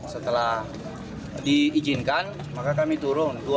setelah diizinkan maka kami turun